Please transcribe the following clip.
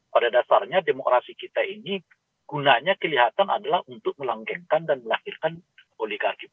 pada dasarnya demokrasi kita ini gunanya kelihatan adalah untuk melanggengkan dan melahirkan oligarki politik